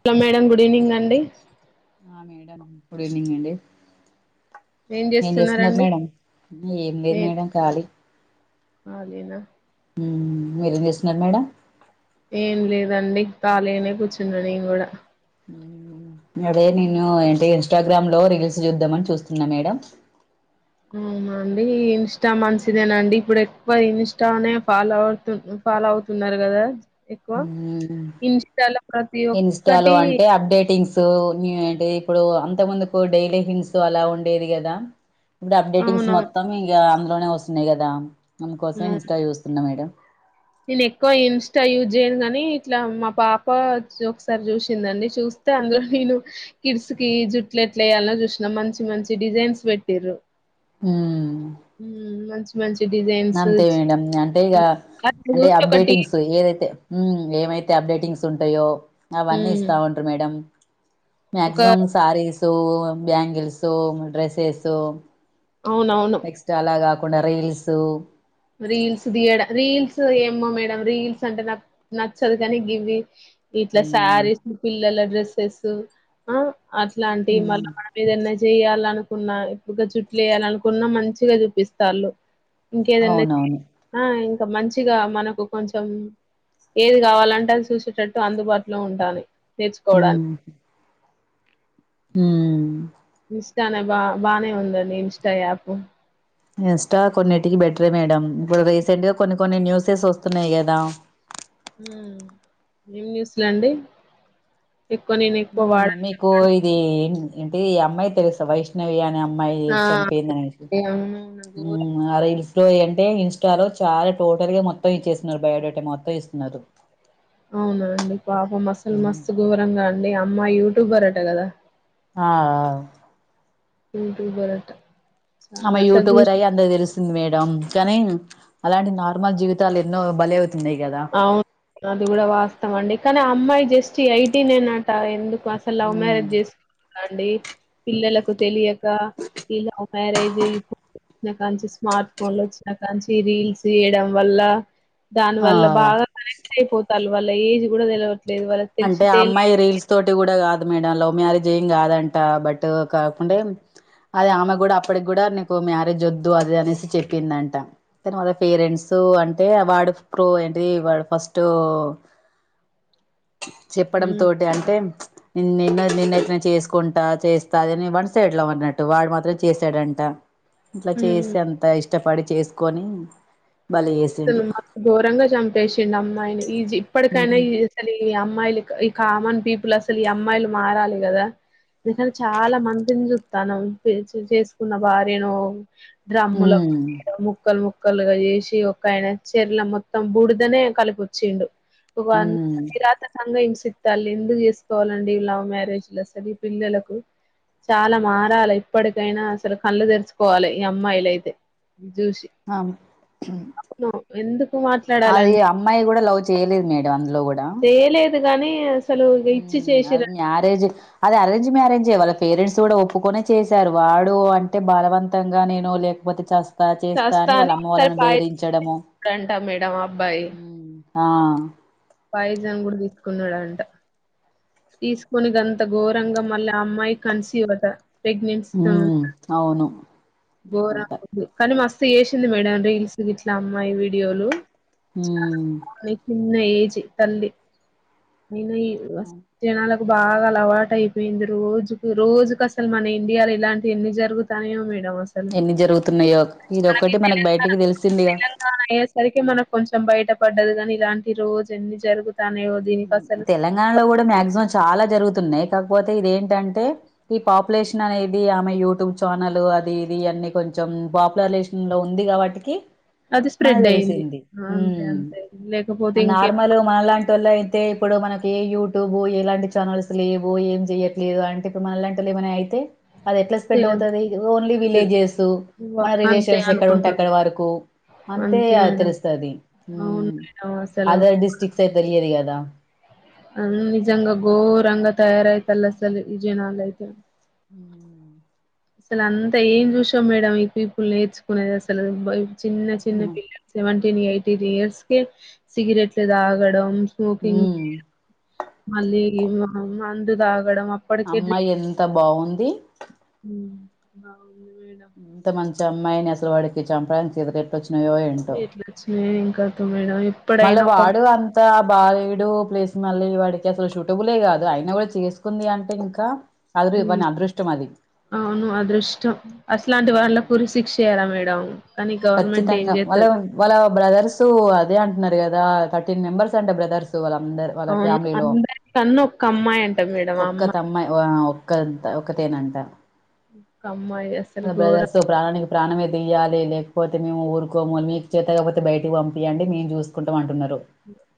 Hello madam good evening అండి ఆ madam good evening అండి ఏం చేస్తున్నారు మేడం ఏం లేదు మేడం ఖాళీ కాలేనా మీరేం చేస్తున్నారు మేడం ఏం లేదండి ఖాళీగనే కూర్చున్నా నేను కూడా ఉమ్ అదే నేను ఎంటి ఇ ఇన్స్టాగ్రామ్ లో రీల్స్ చూద్దామని చూస్తున్నా మేడం అవునండి ఇంస్టా మంచిదేనండి ఇప్పుడు ఎక్కువ ఇన్స్టానే ఫాలో అవుతు ఫాలో అవుతున్నారు కదా ఎక్కువ మ్మ్ ఇన్స్టా లో ఇన్స్టాలో అంటే అప్డేటింగ్స్ అంటే ఇప్పుడు అంత ముందుకు డైలీ హింస్ అలా ఉండేది కదా ఇప్పుడు అప్డేటింగ్స్ అవునవును మొత్తం ఇక అ [unintelligible] వని కదాం అందుకోసమే ఇన్స్ా చూస్తున్నాం మేడడం నేను ఎక్కువ ఇన్స్టా యూజ్ చేయను కాగానీ ఇట్లా మా పాప ఒకసారి చూసిందండి చూస్తే అందులో నేను కిడ్స్ కి జుట్ల ఎట్లా వేయాల చూసినా మంచి మంచి డిజైన్స్ పెట్టిర్రు మ్మ్ ఆ మంచి మంచి అంతే డిజైన్స్ మేడం అంటే ఇక హ్మ్. అప్పుడు అంటే జూసి ఒకటి అప్డేటింగ్స్ ఏదైతే ఏమైతే అప్డేటింగ్స్ ఉంటాయో అవన్నీ హ్మ్. ఇస్తా ఉంటు మేడం ఒక మ్యాక్సిమమ్ సారిీస్ బ్యాంగిల్సు డ్రెస్సెస్ అవునవును. నెక్స్ట్ అలాగ [unintelligible] పుణరల్ [unintelligible] సో రీల్స్ తియడ రీల్స్ ఏమో మేడం రీల్స్ అంటే నచ్చ నచ్చదు కానీ గివి ఇట్లా మ్మ్ శారీస్ పిల్లల డ్రెస్ శేసు ఆ అట్లాంటివి మ్మ్ మళ్ళీ మన మీద ఎన్న చేయాలనుకున్నా ఎక్కువగా చుట్లు వేయాలనుకున్న మంచిగా చూపిస్తాళ్ళు ఇంకేదన్నే అవునవును ఆ ఇ మంచిగా మనకు కొంచెం ఏది కావాలంటే అ చూసేటట్టు అందుబాటులో ఉండాలి మ్మ్ మ్మ్ ఇష్ట నా బా బానే ఉందే మీ ఇంస్టా యాప్ ఇంస్టా కొన్నిటికి బెటరే మేడం ఇప్పుడు రీసెంట్ గా కొన్ని కొన్ని న్యూసెస్ వస్తున్నాయి కదా మ్మ్ ఏం న్యూజలాండు మ్మ్ మీకు ఇది ఏంటి ఈ అమ్మాయి తెలుసు వైష్ణవి అని అమ్ మ్మాయి ఆ అండి. చనిపోయింది అనేసి అవునవును ఘోరం మ్మ్ అదే రీల్స్ ఇ ఎంటైర్ ఇన్స్టాలో చాలా టోటల్ గా మొత్తం ఇచ్చేస్తున్నారు బయోడేటా మొత్తం ఇస్తున్నారు అవున అండి పాపం అస్సలు మస్తు ఘోరంగా అండి అమ్మాయి టు బరాట కదా ఆ అవ్ యూట్యూబర్ అంట ఆమే యూట్యూబర్ అయి అందరికి మేడం [unintelligible] కానీ అలాంటి నార్మల్ జీవితాలు ఎన్నో బలవు అవును అది కూడా వాస్తవం అండి కానీ ఆ అమ్మాయి జస్ట్ ఏ ఐటి నే నట ఎందుకు అసలు లవ్ ఉమ్ మ్యారేజ్ చేసుకు [unintelligible] అండి పిల్లలకు తెలియక ఈ లవ్ మ్యారేజి ఫో [unintelligible] వచ్చినకానుండ్చి స్మార్ట్ ఫోన్లు వచ్చిన కాంచి రీల్స్ తీయడం వల్ల దాని ఆ వల్ల బాగ అయిపోతాల్ వాళ్ళ ఏజ్ కూడా తెల్వ అంటే ఆ అమ్మాయి రీల్స్ తోటి కూడా కాదు మేడం లవ్ మ్యారేజ్ ఏం కాదంట బట్ కాకుండా అది ఆమె కూడా అప్పటికి కూడా నీకు మ్యారేజ్ వద్దు అది అనేసి చెప్పిందంట తర్వాత పేరెంట్స్ అంటే వాడుప్పుో ఏంటి వాడు ఫస్టు చెప్పడం తెలియ తోటి అంటే నిన్న నిన్ను నిన్నట్నే చేసుకుంటా చేస్తా అని వన్ సైడ్ లవ్ అన్నట్టు వాడు మాత్రం చేశాడంట మ్మ్ బలే చేసిండు [unintelligible] ఘోరంగా చంపేసిండు అమ్మాయిని ఈజి ఇప్పటికైనా ఉమ్ ఈ అసలు ఈ అమ్ అమ్మాయిలు ఈ కామన్ పీపుల్ అసలు ఈ అమ్మాయిలు మారాలి కదా ఎందుకని చాలా మందిని చుత్తనం పెళ్ళి చేసుకున్న భార్య ను ఆ డ్రమ్ముల ముక్కల్ ముక్ ఒకక్కలుగా చేసి ఒక ఆయన చెర్ల మొత్తం బుడిదనే కలిపొచ్చిండు ఉమ్ రాత్రంగా ఇ చిత్తాలు ఎందుకు చేసుకోవాలండి లవ్ మ్యారేజ్లు అసలు పిల్లలకు చాలా మారాలి ఇప్పటికైనా అసలు కళ్ళు తెరుచుకో కోవాలి ఈ అమ్మాయిల అయితే జూష అవును అవును ఎందు అది అమ్మాయి కూడా లవ్ చేయలేదు మేడం అందులో కూడా గానే అది మ్యారేజ్ అది అరేంజ్ వాళ్ళ పేరెంట్స్ కూడా ఒప్పుకుొనే చేశారు వాడు అంటె బలవంతంగా నేను లేకపోతే చస్తా చేస్తా అని వాళ్ళ అమ్మ ఒకసారి వాళ్ళను పాయిజం బెదిరించడము తీసుకున్నాడంట మేడం ఆ అబ్బాయి. ఆ పైజం కూడా తీసుకున్నాడుంట తీసుకని అంత ఘోరంగా మళ్ళీ ఆ అమ్మాయి కన్సివ్వత హ అవును గోరా అంట కాని మస్త తీసింది మేడం రీల్స్ గిట్లా అమ్మాయి వీడియోలు అ ఉన్న ఏజీ తల్లి అయిన ఈ వ్యవస్థ జనాలకు బాగా అలవాటు అయిపోయింది రోజుకు రోజుకు అసలు మన ఇండియాలో ఇలాంటి ఎన్ని జరుగుతానేయో మేడం అ ఎన్ని జరుగుతున్నాయో అ ఇదొక్కటి మనకు బయటికి తెలిసిందిగా తెలంగాణ అయ్యేసరికి మనం కొంచెం బయట ఇష్టపడ్డది కాని ఇలాంటి రోజు ఎన్ని జరుగుతానయో తెలంగాణలో కూడా మ్యాక్సిమం చాలా జరుగుతుంది న్నాయి కాకపోతే ఇది ఏంటంటే ఈ పాపులేషన్ అనేది ఆమె యూట్యూబ్ ఛానల్ అది ఇది అన్ని కొంచెం పాపులలెషన్ లో ఉంది కాబట్టికి అది మనకు స్ప్రెడ్ అయింది. తెలిసింది అంతే అంతే లేకపోతే ఇంకేం నార్మల్ మనలాంటి వళ్లయి అయితే ఇప్పుడు మనకి ఏ యూట్యూబ ఎలాంటి ఛానల్స్ లేవు ఏం చెయ్యట్లేదు అంటే ఇప్పుడు మన లాంటి లేమైనా అది ఎట్లా స్ప్రెడ్ తెలదు. అవుతది ఓన్లీ అది విలేజెసు వ మన అంతే రిలేషన్స్ ఎక్కడ ఉంటే అనుకుంటున్నా. అక్కడ వరకు అంతే తెలుస్తది అవును మేడం అసలు అదర్ డిస్టి ే తెయదు కదా అ నిజంగా గోరంగా తయారైతల్ సలు ఇజే నాాల అయితే మ్మ్ అసలు అంతా ఏం చూసాం మేడ ఈ పీపుల్ నేర్చుకునేది అసలు చిన్న చిన్న పిల్లల్ సెవెంటీన్ ఎయిత్ ఇయర్స్ కే సిగరెట్లు తాగడం స్మోకింగ్ మ్మ్. చేయడం మళ్ళీ అ మందుదాగు అమ్మాయి ఎంత బాగుంది ఉ అవును ఎంత మంచి అమ్మాయిని ముసల్వాడికి చాంప్రరు కా ఎట్లా వచ్చినయో ఇంకా మళ్ళ వాడు అంతా బాలేడు ప్లేస్ మళ్ళీ వాడికి అసలు షూటబులే కాదు అయినా కూడా చేసుకుంది అంటే ఇంకా అదృ ఉ వాని అదృష్టం అది అవును అదృష్టం అస్లాంటి వాళ్ళకు ఉరి శిక్ష చేయరా మేడం కానీ గవర్నమెంట్ ఏం ఖచ్చితంగా వాళ్ళ చేత్తది వాళ్ళ బ్రదర్స్ సో అదే అంటున్నారు కదా థర్టీన్ మెంబర్స్ అంట బ్రదర్స్ వాళ్ళందరు వాళ్ళ అవును అందరి కన్న కమ్మాయింట ఒక్క తమ్మాయి ఒక్క ఒకతేనంట ఒక్క అమ్మాయి అసలు మా ఘోరం బ్రదర్స్ ప్రాణానికి ప్రాణమే తీయాలి లేకపోతే మేము ఊరుకోము మీకు చేత కాకపోతే బయటకి పంపియ్యండి మేము చూసుకుంటం అంటున్నారు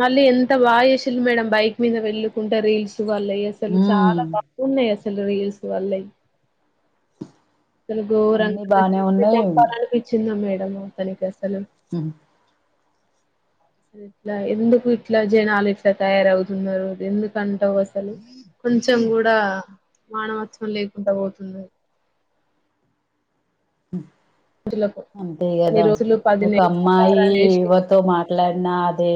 మళ్ళీ ఎంత బాగా చేసిండ్రు మేడం బైక్ మీద వెళ్ళకుంట రీల్స్ వాళ్ళ అసలు ఉమ్ చాలా బాగున్నాయి అసలు రీల్స్ వాల్ల అసలు ఘోరంగ అన్ని బానే ప్రసిద్ధ ఉన్నాయి [unintelligible] మేడం తను నీకాసల్ ఉ ఇట్లా ఎందుకు ఇట్లా జనాలు ఇట్లా తయారవుతున్నారు ఎందుకు అంటవు అసలు కొంచెం కూడా మానవత్వం లేకుండ పోతుంది. రోజులకు అంతే కొన్ని కదా రోజులు పది ఒక నెలలు అమ్మాయి సంసారం చేసి ఎవరి తో మాట్లాడినా అదే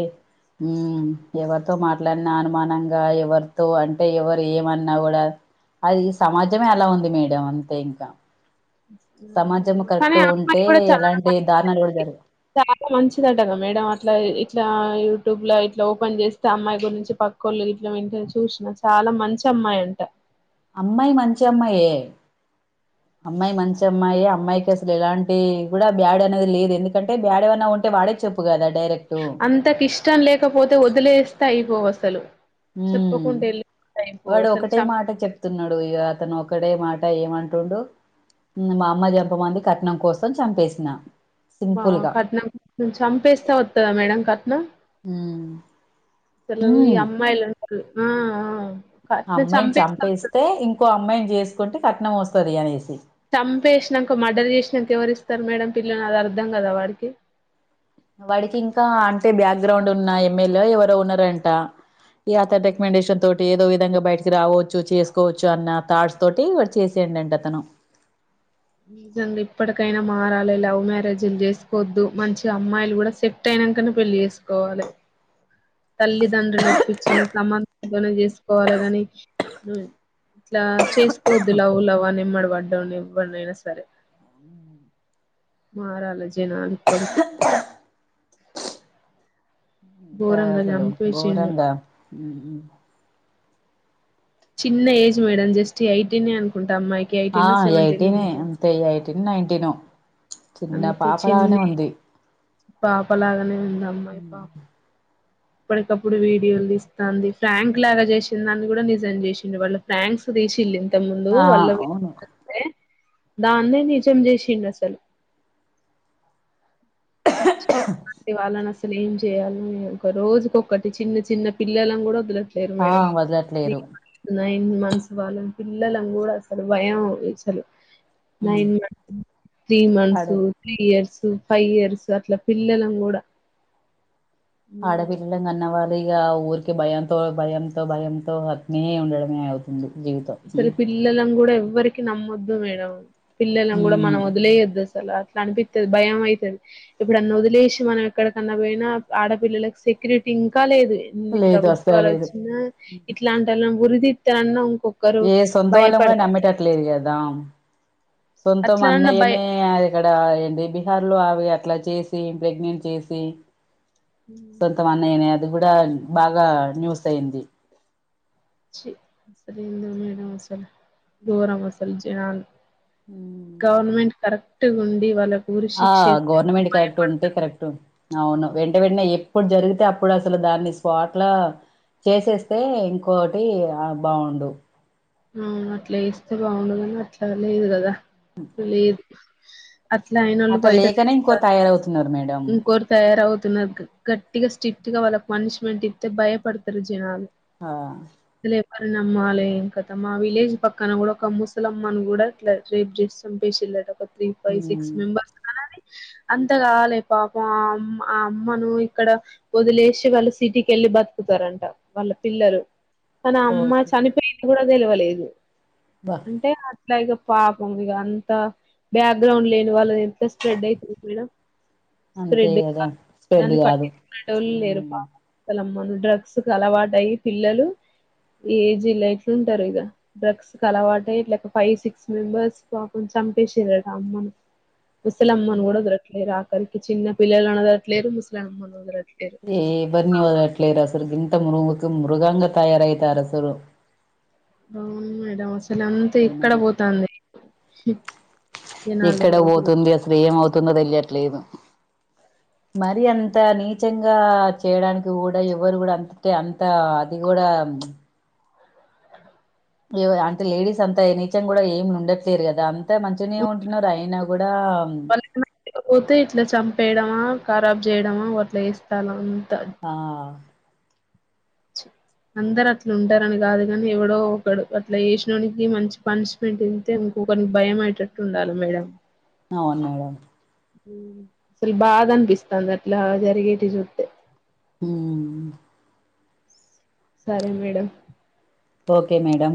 ఉ మ్ ఎవరితో మాట్లాడిన అనుమానంగా ఎవరితో అంటే ఎవరు ఏమన్నా కూడా అది సమాజమే అలా ఉంది మేడం అంతే ఇంక సమాజం కరెక్ట్ కానీ గ ఆ ఉంటే అమ్మాయి కూడా చాలా ఎలాంటి దారుణాలు కూడా మంచిది జరుగవ్ చాలా మంచిదటగా మేడం అట్లా ఇట్లా యూట్యూబ్ లో ఇట్లా ఓపెన్ చేస్తే అమ్మాయి గురించి పక్కోళ్ళ ఇలా వింటే చూసిన చాలా మంచి అమ్మాయి అంట అమ్మాయి మంచి అమ్మాయే. అమ్మాయి మంచి అమ్మాయి అమ్మాయికి అసలు ఎలాంటి కూడా బ్యాడ్ అనేది లేదు. ఎందుకంటే బ్యాడ్ ఎమన్నా ఉంటే వాడే చెప్పు కదా. డైరెక్ట్ అంతకిష్టం లేకపోతే వదిలేస్త్ యిపోవసలు ఉ వాడు అసలు ఒకటే చం మాట చెప్తున్నడు ఇక అతను ఒకటే మాట ఏమంట ఉండు మా అమ్మ చెప్ప మంది కట్నం కోసం చంపేసిన బా సింపుల్‌గా. కట్నం చంపేస్తే వస్తుదా మేడం క న హ్మ్. సలవు ఈ హ్మ్. అమ్మా ఎలా ఆ కట్నం అమ్మాయిని చంపేస్తా వస్తది చంపేస్తే ఇంకో అమ్మాయిని చేస్త కుంటే కట్నం వస్తది అనేసి చంపేసినాక మర్డర్ చేసినాక ఎవరిస్తారు మేడం పిల్లని అది అర్థం కదా వాడికి వాడికి ఇంకా అంటే బ్యాక్గ్రౌండ్ ఉన్న ఎమ్మెల్యే ఎవరొ ఉన్నరంట ఈ ఆతర్ రెక్మెండేషన్ తోటి ఏదో విధంగా బయటకి రావచ్చు చేసుకోవచ్చు అన్న థాట్స్ తోటి వా చేసేయండి అంటే అతను నిజంగ ఇప్పటికైనా మారాలే లవ్ మ్యారేజీలు చేసుకోవద్దు మంచి అమ్మాయిలు కూడా సెట్ అయినాకనే పెళ్లి చేసుకోవాలే తల్లిదండ్రులు ఒప్పించిన సంభం ఇంతన చేసుకోవాలా ని నువ్ ఇట్లా చేసుకోవద్దు లవ్వు లవ్ అని నిమ్మడి పడ్డం ఎవ్వనైనా సరే మారాలి జనాప్పటికే అంతా అసలు చంపేసిండు ఘోరంగా అ చిన్న ఏజ్ మేడం జస్ట్ ఎయిటీని అనుకుంటు ఆ ఎయిటీన్ అంతే ఎయిటీన్ నైన్టీన్ చిన్న అంతే చిన్న పాపలానే ఏజ్ ఉంది పాపలాగానే ఉంది అమ్మా హ్మ్. పా ఇప్పటికప్పుడు వీడియోలు ఇస్తుంది ఫ్రాంక్ లాగా చేసిందిాని కూడా నిజం చేసింది వాళ్ళ ఫ్రాంక్స్ తీసిళ్ళింది ంత ముందు ఆ! వల్ల అవును. దాన్నే నిజం చేసిి నసెల్ వాళ్ళన అసలు ఏం చేయాల ఒక రోజుకొటి చిన్న చిన్న పిల్లలను కూడా వ ఆ వదలట్లేరు నైన్ మన్సు వాళ్ళం పిల్లలం కూడా అసలు భయంసలు ఉమ్ నైన్ మంతస్ త్రీ ఆడ months three years five years అట్లా పిల్లలం కూడా ఆడవిల్ల కన్నవాడ అరిగా ఊరికి భయంతో భయంతో భయంతో అనే ఉండడమే అవుతుంది జీవితం సర ఉమ్ పిలాంగ కూడా ఎవరికి నమ్మొద్దు మేడం పిల్లలను కూడా మనం ఉమ్. వలేయొద్ద అసలు అట్లా అనిపితది భయం అయితది ఇప్పుడన్న వదిలేసి మనం ఎక్కడకన్నా పోయినా ఆడపిల్లలకి సెక్యూరిటీ ఇంకా లేదు ఇన్ని లేదు అసలు ప్రభుత్వాలు లేదు వచ్చినా ఇట్లాంటోలను ఉరిది తేనన్న ఇంకో ఏ సొంతం అళ్ళ కూడా నమ్మెటట్లేదుగదా సొంతం అట్లనన్న భయ అన్నయ్యనే ఇక్కడ ఏంది బీహార్ లో ఆవి అట్లా చేసి ప్రెగ్నెంట్ చేసి స్వంత మన్నయనే అది కూడా బాగా న్యూస్ అయింది చి మసలు ఏందో మేడం అసలు గోరం అసలు జనాల్ ఉమ్. గవర్నమెంట్ కర పట్టు ఉండి వాళ్ళ ఆ గవర్నమెంట్ కరెక్ట్ ఉంటే కరెక్ట్ అవును వెంట వెంటనే ఎప్పుడు జరిగితే అప్పుడు అసలు దాన్ని స్వాట్లా చేసేస్తే ఇంకోటి బాగుండు అవును అట్లే ఇస్తే బాగుండుగాని అట్లా లేదు కదా అట్లు లేదు అట్లా అయినోళ్ళు అట్లా బయట లేకనే ఇంకో తిరుగుతారు తయారవుతున్నారు మేడం ఇంకోరు తయారవు తునాగ్ గట్టిగా స్ట్రిక్ట్ గా వాళ్ళకి పనిష్మెంట్ ఇత్తే భయపడతారు జనాలు హ వరి నమ్మాలింకా మా విలేజ్ పక్కన కూడా ఒక ముసలమ్మన్ కూడా ఇట్లా రేప్ చేసి చంపేసిళ్లట త్రీ ఫై సిక్స్ ఉమ్ మెంబర్స్ అంత కాలే పాపం ఆ అమ్మ ఆ అమ్మను ఇక్కడ వదిలేసి వాళ్ళు సిటీకి వెళ్ళి బతుకుతారంట వాళ్ళ పిల్లలు కానీ అమ్మ ఓకే చనిపోయింది కూడా తెలువలేదు బా అంటే అ ఇట్లా ఇగ పాపం ఇక అంత బ్యాక్గ్రౌండ్ లేని వాళ్ళు ఎంత స్ప్రెడ్ అయితుంది మేడం అంతే స్ప్రెడ్ కదా కాదు స్పెడ్ దాన్ని కాదు మన డ్రగ్స్ అలవాటు అయ్యి పిల్లలు ఏజ్ లైఫ్ ఉంటారు ఇగ డ్రగ్స్ అలవాట అయి ఇట్లా ఫైవ్ సిక్స్ మెంబర్స్ పాపం చంపేశీరట అమ్మను ముసలమ్మన్ కూడా బ్రతికేర కరికి చిన్న పిల్లలు అనదట్లేదు ముసలమ్మ ఒదల్ ఏయే వరిని వదలట్లేదసలు గిం త మురువుకి మృగాంగ తయారాయితారసలు అవును మేడమ్ అస అసలు అంతా ఇక్కడ జనాలు పోతాంది చె ఎక్కడ పోతుంది అసలు ఏమవుతు తుందో తెలియట్లేదు మరి అంత రోజుకి. నీచంగా చేయడానికి కూడా ఎవరు కూడా అంతే అంత అది కూడా అంటే లేడీస్ అంతా నీచం కూడా ఏమి ఉండట్లేరు కదా అంతా మంచిగనే ఉంటున్నారు అయినా కూడా పోతే ఇట్లా చంపేయడమా ఖరాబ్ చేయడమా అట్లా వేస్తాలని ఆ అందరు అట్లు ఉంటారని కాదు కాని ఎవడో ఒకడు అట్లా వేసినోనికి మంచి పనిష్మెంట్ తంటే ఇంకొకరికి భయం అయేటట్టు ఉండాలి మేడం అవును మేడం అసలు బాధ అనిపిస్తుంది అట్లా జరిగేటి చూస్తే ఉమ్.. సరే మేడం ఓకే మేడం